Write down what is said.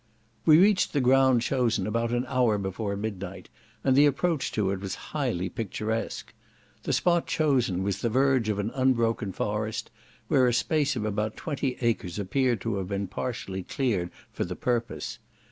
We reached the ground about an hour before midnight, and the approach to it was highly picturesque. The spot chosen was the verge of an unbroken forest, where a space of about twenty acres appeared to have been partially cleared for the purpose.